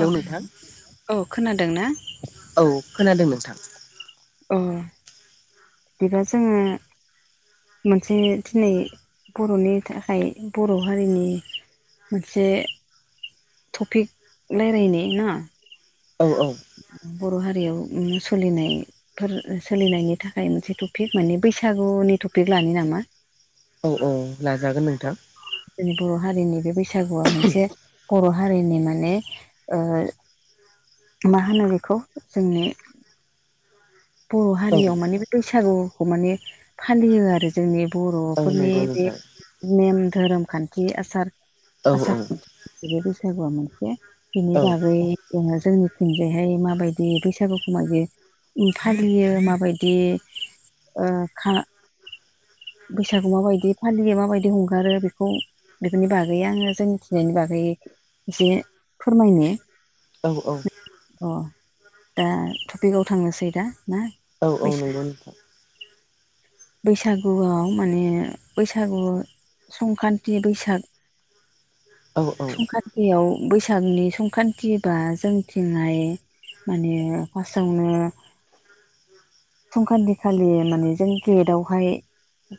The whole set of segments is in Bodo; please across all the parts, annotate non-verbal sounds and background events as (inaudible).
औ नोंथां औ खोनादों ना? औ खोनादों नोंथां अ बेबा जोङो मोनसे दिनै बर'नि थाखाय बर' हारिनि मोनसे टपिक रायलायनाय न औ औ बर' हारियावनो सलिनाय फोर सोलिनायनि थाखाय मोनसे टपिक माने बैसागुनि टपिक लानो नामा? औ औ लाजागोन नोंथां। जोंनि बर' हारिनि बे बैसागुआ मोनसे बर' हारिनि माने ओ मा होनो बेखौ जोंनि बर' औ हारियाव माने बे बैसागुखौ माने फालियो आरो जोंनि औ बर'फोरनि नंगौ बे नोंथां नेम धोरोम खान्थि आसार औ आसार औ खान बिदि बैसागुआ मोनसे बिनि औ बागै जोंहा जोंनिथिंजायहाय माबायदि बैसागुखौ मादि फालियो माबायदि ओ खा बैसागु माबायदि फालियो माबायदि हंगारो बेखौ बेफोरनि बागै आङो जोंमिथिनायनि बागै एसे फोरमायनो औ औ अ दा टपिकआव थांनोसै दा ना औ औ नंगौ नोंथां बैसागुआव माने बैसागु संक्रान्ति बैसागु औ औ संख्रान्तियाव बैसागनि संख्रान्ति बा जोंथिंहाय माने फासआवनो संख्रान्थिखालि मानि जों गेटआवहाय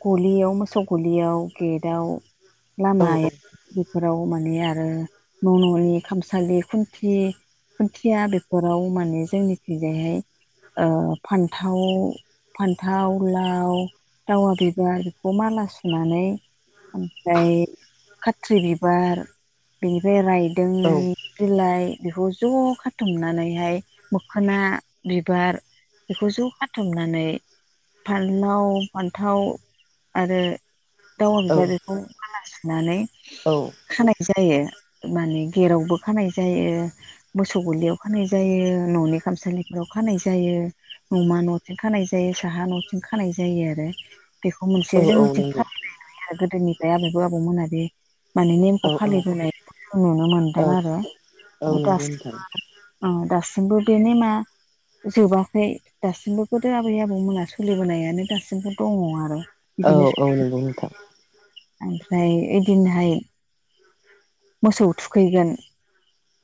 गलियाव मोसौ गलियाव गेटआव औ लामाया बेफोराव माने आरो न' न'नि खामसालि खुन्थि खुन्थिया बेफोराव माने जोंनि खैजायहाय ओ फान्थाव फान्थाव लाव दावा बिबार बेखौ माला सुनानै ओमफ्राय खाथ्रि बिबार बेनिफ्राय रायदों औ बिलाइ बेखौ ज' खाथुमनानैहाय मोखोना बिबार बेखौ ज' खाथुमनानै फानि लाव फान्थाव आरो दावा बिबारखौ माला सुनानै औ खानाय जायो माने गेरावबो खानाय जायो मोसौ गलियाव खानाय जायो न'नि खामसालिफोराव खानाय जायो। नमा न'थिं खानाय जायो साहा न'थिं खानाय जायो आरो। बेखौ मोनसे औ जोंनिथिं नंगौ फालिनाय नुयो आरो गोदोनिफ्राय आबैबो आबौमोना बे माने नेमखौ औ फालिबोनायखौ जों नुनो मोनदों औ आरो औ नंगौ नोंथां (inaudible) ओ दासिमबो बे नेमा जोबाख खै दासिमबो गोदो आबै आबौमोना सोलिबोनायानो दासिमबो दङ आरो। बिदिनो औ औ नंगौ नोंथां (inaudible) ओमफ्राय इदिनोहाय मोसौ थुखैगोन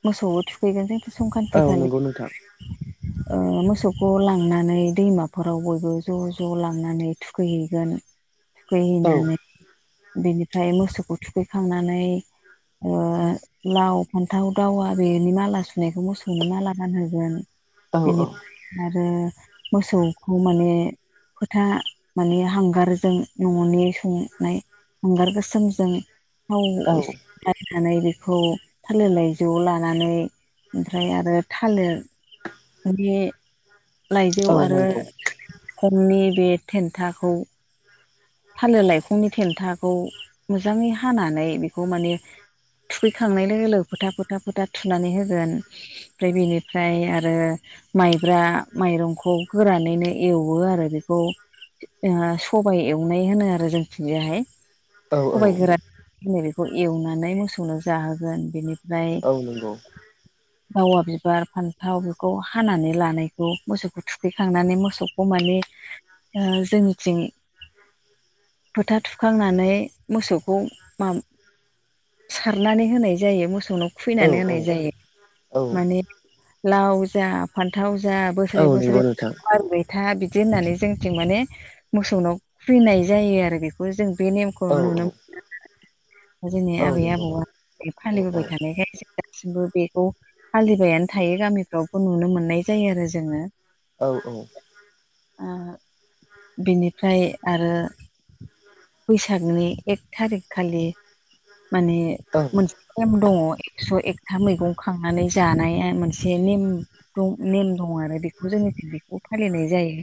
मोसौबो थुख खैगोन जोंथ' संकान्ति औ खालि नंगौ नोंथां ओ मोसौ खौ लांनानै दैमाफोराव बयबो ज' ज' लांनानै थुखैहैगोन। औ थुखैहैनानै बिनिफ्राय मोसौखौ थुखैखांनानै ओ लाव फान्थाव दावा बेनि माला सु नायखौ मोसौनो माला गानहोगोन औ बेनि आरो मोसौखौ माने फोथा माने हांगारजों न'नि संनाय हांगार गोसोमजों थाव औ एसे लागायनानै बेखौ थालिर लाइजौआव लानानै ओमफ्राय आरो थालेरनि लाइजौ औ आरो नंगौ (unintelligible) बे थेन्थाखौ थालेर लाइखंनि थेन्थाखौ मोजाङै हानानै बेखौ माने थुखैखांनाय लोगो लोगो फोथा फोथा फोथा थुनानै होगोन ओमफ्राय बेनिफ्राय आरो माइब्रा माइरंखौ गोरानैनो एवो आरो बेखौ ओ सबाइ एवनाय होनो आरो जोंनिथिंजायहाय औ औ सबाइ गोरान। होनो बेखौ एवनानै मोसौनो जाहोगोन बेनिफ्राय औ नंगौ दावा बिबार फान्थाव बेखौ हानानै लानायखौ मोसौखौ थुखैखांनानै मोसौखौ माने ओ जोंनिथिं फोथा थुखांनानै मोसौखौ मा सारनानै होनाय जायो मोसौनाव औ औ खुइनानै होनाय जायो औ माने लाव जा फान्थाव जा औ बोसोरे नंगौ बोसोरे नोंथां (inaudible) था बिदि होननानै जोंनिथिं माने मोसौनाव खुइनाय जायो आरो बेखौ जों बे नेम खौ औ नुनो औ मोनो (inaudible) जोंनि औ आबै नंगौ आबौआ औ औ फालिबोबाय थानायखाय दासिमबो बेखौ फालिबायानो थायो गामिफ्रावबो नुनो मोननाय जायो आरो जोङो। औ औ। ओ बिनिफ्राय आरो बैसागनि एक थारिक खालि माने औ मोनसे नेम दङ एकस' एकथा मैगं खांनानै जानाय ओ मोनसे नेम दं नेम दं आरो बेखौ जोंनिथिं बेखौबो फालिनाय जायो।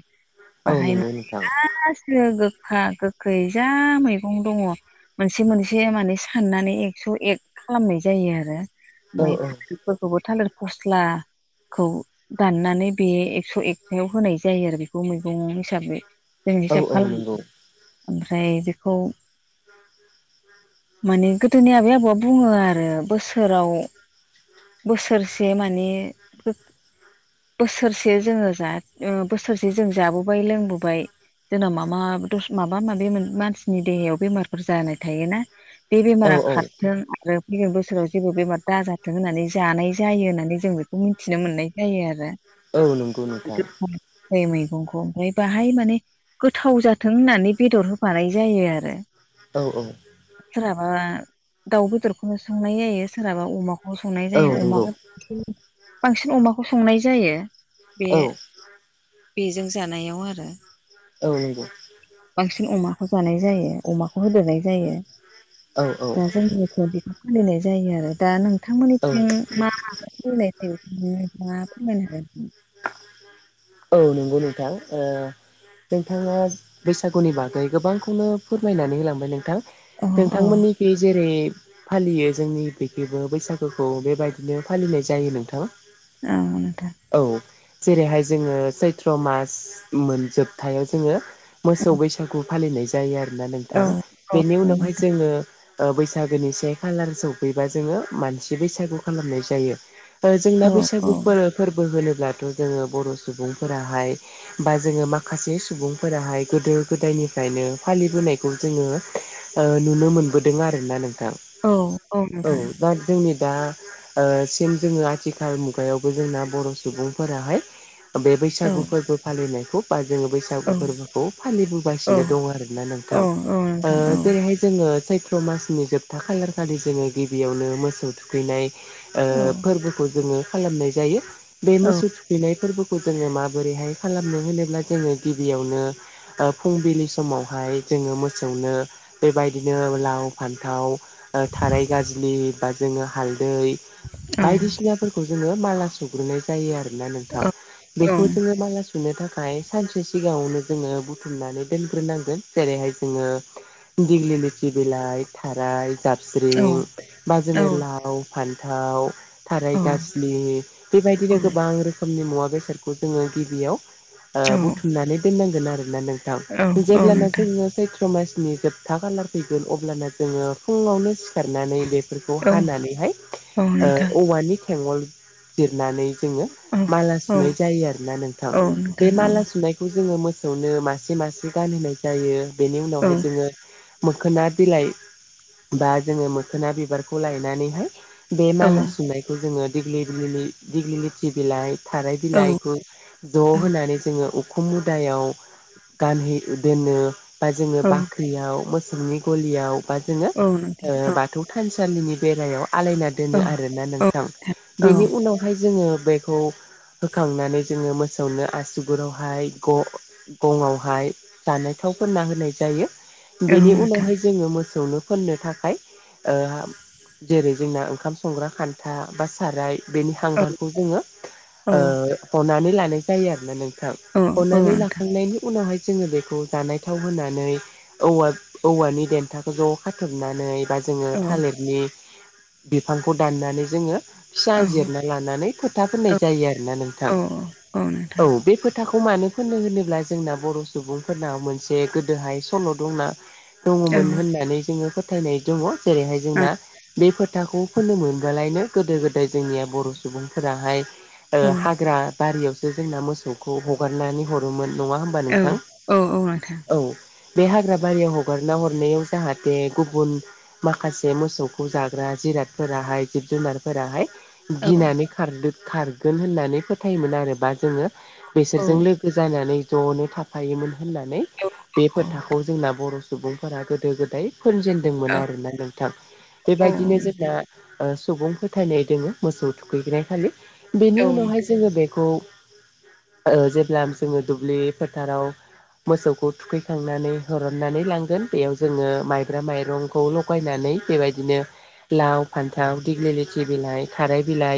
औ बाहाय नंगौ माने नोंथां गासिबो गोखा गोखै जा मैगं दङ मोनसे मोनसे माने साननानै एकस' एक खालामनाय जायो आरो औ ओमफाय औ फोरखौबो थालिर फस्ला खौ दाननानै बे एकस' एकथायाव होनाय जायो आरो बेखौ मैगं हिसाबै। जोंनि औ औ नंगौ ओमफ्राय बेखौ (inaudible) माने गोदोनि आबै आबौआ बुङो आरो बोसोराव बोसोरसे माने फो बोसोरसे जोङो जा ओ बोसोरसे जों जाबोबाय लोंबोबाय। जोंनाव माबा दस माबा माबि मानसिनि देहायाव बेमारफोर जानाय थायोना बे औ बेमारा औ खारथों आरो फैगोन बोसोराव जेबो बेमार दाजाथों होननानै जानाय जायो होननानै जोंबे खौ मिथिनो मोननाय जायो आरो औ नंगौ नोंथां। दै मैगंखौ ओमफ्राय बाहाय माने गोथाव जाथों होननानै बेदर होफानाय जायो आरो। औ औ। सोरहाबा दाउ बेदरखौनो संनाय जायो सोरहाबा अमाखौ अमाखौ संनाय औ जायो नंगौ अमाखौ बांसिन अमाखौ संनाय जायो। बे औ बेजों जानायाव आरो औ नंगौ। बांसिन अमाखौ जानाय जायो अमाखौ होदेरनाय जायो। औ औ नंगौ दा जोंनिखौ बेखौ फालिनाय जायो आरो दा नोंथांमोननिथिं। मा फोरमायनाय जायो बेखौ नोंथां फोरमायनो हागोन नामा औ नंगौ नोंथां ओ नोंथाङा बैसागुनि बागै गोबांखौनो फोरमायनानै होलांबाय नोंथां। हागोन नोंथांमोननिखै जेरै फालियो जोंनि बिखैबो बैसागुखौ बेबायदिनो फालिनाय जायो नोंथां। औ नोंथां। औ जेरैहाय जोङो सैथ्र' मास मोनजोबथायाव जोङो। मोसौ बैसागु फालिनाय जायो आरोना नोंथां औ बेनि उनावहाय जोङो। ओ बैसागोनि से खालार सफैबा जोङो मानसि बैसागु खालामनाय जायो। औ जोंना औ बैसागु फोरबो होनोब्लाथ' जोङो बर' सुबुंफोराहाय। बा जोङो माखासे सुबुंफोराहाय गोदो गोदायनिफ्रायनो फालिबोनायखौ जोङो। नुनो मोनबोदों आरोना नोंथां औ नोंथां दा। जोंनि दा ओ सिम जोङो आथिखाल मुगायावबो जोंना बर' सुबुंफोराहाय बे औ बैसागु फोरबो फालिनायखौ बा जोङो बै औ बैसागु फोरबोखौ फालिबोगासिनो दं आरोना औ नोंथां औ औ औ नोंथां औ नोंथां जेरैहाय जोङो। चैत्र मासनि जोबथा खालार खालि जोङो गिबियावनो मोसौ थुखैनाय। ओ फोरबोखौ जोङो खालामनाय जायो बे मोसौ थुखैनाय फोरबोखौ जोङो माबोरैहाय खालामनो होनोब्ला जोङो गिबियावनो। ओ फुंबिलि समावहाय जोङो मोसौनो बेबायदिनो लाव फान्थाव थाराय गाजलि बा जोङो हालदै बायदिसिनाफोरखौ जोङो माला सुग्रोनाय जायो आरोना नोंथां बेखौ जोङो माला सुनो थाखाय सानसे सिगाङावनो जोङो बुथुमनानै दोनग्रोनांगोन जेरैहाय जोङो। दिग्लिलिथि बिलाइ थाराय जा जाबस्रिं बा जोङो लाव, फान्थाव, थाराय गाजलि बेबायदिनो गोबां रोखोमनि मुवा बेसादखौ जोङो गिबियाव ओ बुथुमनानै दोननांगोन आरोना नोंथां जेब्लाना जोङो सैथ्र' मासनि जोबथा था खालार फैगोन अब्लानो जोङो फुङावनो सिखारनानै बेफोरखौ औ हानानैहाय नोंथां औवानि थेंवल जिरनानै औ माला औ सुनाय जायो आरोना नोंथां औ बे नोंथां मा औ सुनाय खौ जोङो मोसौनो मासे मासे गानहोनाय जायो बेनि उनावहाय जोङो। मोखोना बिलाइ बा जोङो मोखोना बिबारखौ लायनानैहाय। बे माला औ सुनायखौ जोङो दिग्लि दिग्लि लिथि बिलाइ थाराय औ औ बिलाइखौ। ज' औ होनानै जोङो उखुम मुदायाव गानहै दोनो बा जोङो औ बाख याव मोसौनि गलियाव बा जोङो औ नोंथां बाथौ थानसालिनि बेलायाव आलायना, औ दोनो आरोना औ नोंथां बेनि औ उनावहाय जोङो बेखौ होखांनानै जोङो मो फोसावनो आसुगुरावहाय ग' गङावहाय जानाय थावफोनना होनाय जायो। बेनि नोंथां उनावहाय जोङो मोसौनो फोननो थाखाय ओ जेरै जोंना ओंखाम संग्रा खान्था बा साराय बेनि औ हांगारखौ जोङो ओ हनानै लानाय जायो आरोना नोंथां। औ हनानै नोंथां लाखांनायनि उनावहाय जोङो बेखौ जानाय थाव होनानै औवा औवानि देन्थाखौ ज' खाथाबनानै बा जोङो औ थालिरनि बिफांखौ दाननानै जोङो, फिसा औ जिरना लानानै फोथा फोननाय जायो आरो ना नोंथां औ औ बे फो फोथाखौ मानो फोननो होनोब्ला जोंना बर' सुबुंफोरनाव मोनसे गोदोहाय सल' दंना। औ दङमोन होननानै जोङो फोथायनाय दङ जेरैहाय जोंना, बे फोथाखौ फोननो मोनब्लाालायनो गोदो गोदाय जोंनिया बर' सुबुंफोराहाय, हाग्रा बारियावसो जोंना मोसौखौ हगारनानै हरोमोन नङा होम बा नोंथां औ औ नोंथां औ नोंथां औ नोंथां औ औ बे हाग्रा बारियाव हगारना हरनायाव जाहाथे गुबुन माखासे मोसौखौ जाग्रा जिरादफोराहाय जिब जुनारफोराहाय औ गिनानै खारदो खारगोन होननानै फोथायोमोन आरो बा जोङो बिसोरजों औ लोगो जानानै ज'नो थाफायोमोन होननानै बे फोथा जोंना बर' सुबुंफोरा गोदो गोदाय फोनजेन जादोंमोन आरोना नोंथां बेबायदिनो जोंना सुबुं फोथायनाय। दङो मोसौ थुखैग्राखालि बेनि उनावहाय जोङो बेखौ, ओ जेब्ला जोङो दुब्लि फोथाराव, मोसौखौ थुखैखांनानै हरननानै लांगोन बेयाव जोङो माइब्रा माइरंखौ ल' थ'गायनानै बेबायदिनो लाव फान्थाव दिग्लि लिथि बिलाइ थाराय बिलाइ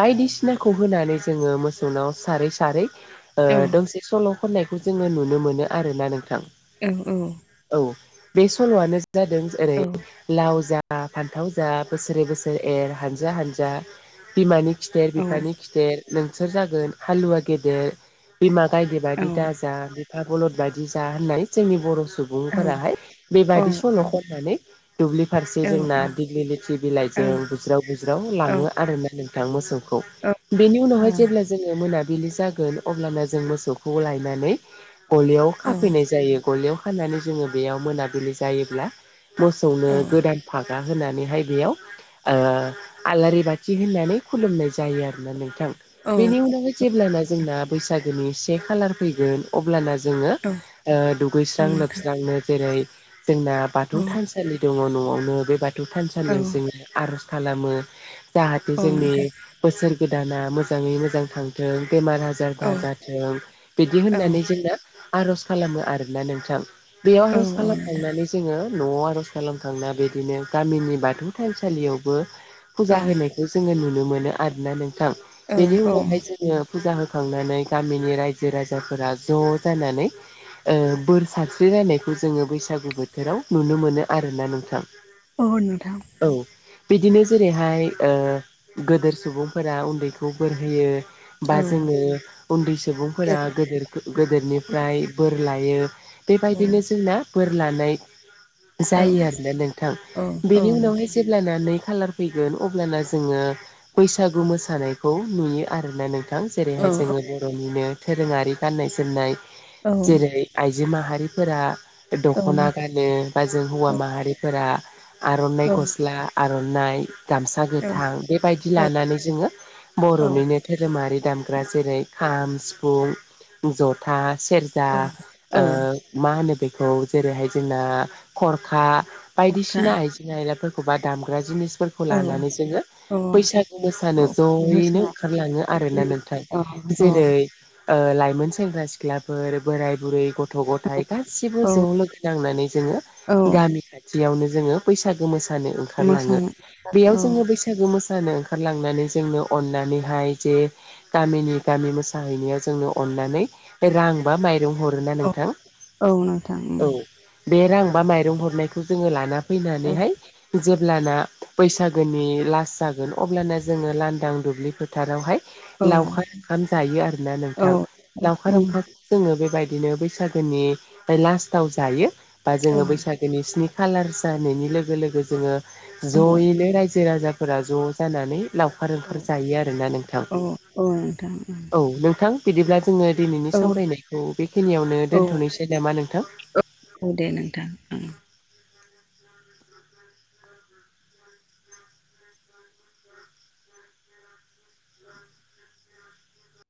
बायदिसिनाखौ होनानै जोङो मोसौनाव सारै सारै ओ दसे सल' खननायखौ जोङो नुनो मोनो आरो ना नोंथां। औ औ औ बे सल'आनो जादों जेरै लाव जा फान्थाव जा बोसोरै बोसोर एर हानजा हानजा बिमानि खिथेर बिफानि खिथेर नोंसोर जागोन हालुवा गेदेर बिमा गायदे बादि दा जा बिफा बलद बायदि जा होननाय जोंनि बर' सुबुं सुबुंफोराहाय बेबायादि सल' खनानै दुब्लि फारसे जोंना दिग्लि लिथि बिलाइजों बुज्राव बुज्राव लाङो आरोना नोंथां मोसौखौ बेनि उनावहाय जेब्ला जोङो मोनाबिलि जागोन अब्लाना जों मोसौखौ लायनानै गलियाव खाफैनाय जायो गलियाव खानानै जोङो बेयाव मोनाबिलि जायोब्ला, मोसौनो गोदान फागा होनानैहाय बेयाव, आलारि बाथि होनानै खुलुमनाय जायो आरोना नोंथां बेनि उनावनो, जेब्लाना जोंना बैसागोनि से खालार फैगोन अब्लाना जोङो दुगैस्रां लोबस्रांनो जेरै जोंना बाथौ थानसा लि दङ न'आवनो बे बाथौ थानसालियाव जोङो आर'ज खालामो। जाहाथे जोंनि बोसोर गोदाना मोजाङै मोजां थांथों बेमार आजार आजार दाजाथों बिदि होननानै जोंना आर'ज खालामो आरोना नोंथां। बेयाव औ आर'ज नोंथां खालामखांनानै जोङो न'आव आर'ज खालामखांना बिदिनो गामिनि बाथौ थानसालियावबो औ फुजा होनायखौ जोङो नुनो मोनो आरोना नोंथां बेनि औ उनावहाय जों नो फुजा होखांनानै गामिनि रायजो राजाफोरा ज' जानानै ओ बोर सानस्रिलायनायखौ जोङो बैसागु बोथोराव नुनो मोनो आरोना नोंथां। औ औ नोंथां औ बिदिनो जेरैहाय ओ गोदोर सुबुंफोरा उन्दैखौ बोर होयो। बा औ जोङो उन्दै सुबुंफोरा गेब्रे गोदो गोदोरनिफ्राय बोर लायो। औ बेबायदिनो जोंना बोर लानाय जायो आरोना नोंथां औ औ बेनि उनावहाय नोंथां जेब्लाना नै खालार फैगोन अब्लाना जोङो बैसागु मोसानायखौ नुयो आरोना नोंथां थां औ जेरैहाय जोङो बर'निनो दोरोङारि गान्नाय जोमनाय औ जेरै आइजो माहारिफोरा दख'ना गानो बा जों हौवा माहारिफोरा आर'नाइ गस्ला आर'नाइ गामसा गोथां बेबायदि लानानै जोङो औ बर'निनो धोरोमारि दामग्रा जेरै खाम सिफुं जथा सेर जा औ ओ मा होनो बेखौ जेरैहाय जोंना खरखा गरखा बायदिसिना आइजें आयलाफोरखौ बा दामग्रा जिनिसफोरखौ औ लानानै जोङो औ बैसागु औ मोसानो जयैनो मोसा ओंखारलाङो आरोना नोंथां औ औ जेरै ओ लाइमोन सेंग्रा सिख्लाफोर बोराय बुरै गथ' गथ' गथायाइ गासिबो औ ज लोगो नांनानै जोङो औ गामि खा जियावनो जोङो बैसागो मोसानो ओंखारलाङो मोसानाय बेयाव औ जोङो बैसाग बैसागो मोसानो ओंखारलांनानै जोंनो अननानैहाय जे गामिनि गामि मोसाहैनाया जोंनो अननानै रां बा माइ जों हरोना औ नोंथां औ नोंथां औ उम बे रां बा माइरं हरनायखौ जोङो लाना फैनानैहाय जेब्लाना बैसागोनि लास जागोन अब्लाना जोङो लांदां दुब्लिफोर फोथारावहाय औ लावखार ओंखाम जायो आरोना औ नोंथां लावखार उम ओंखाम जोङो बेबायदिनो बैसागोनि लास्टाव जायो बा औ जोङो बैसागो दिनै स्नि खालार जानायनि लोगो लोगो जोङो औ जयैनो रायजो राजा फोरा ज' जानानै लावखार ओंखार जायो आरोना नोंथां। औ औ नोंथां उम औ नोंथां बिदिब्ला जोङो दिनैनि औ सावरायनायखौ बेखिनियावनो औ दोनथ'नोसै नामा नोंथां? औ दे नोंथां ओं।